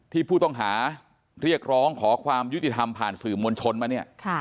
ที่ผู้ต้องหาเรียกร้องขอความยุติธรรมผ่านสื่อมวลชนมาเนี่ย